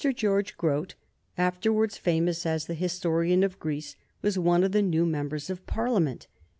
George Grote, afterwards famous as the historian of Greece, was one of the new members of Parliament.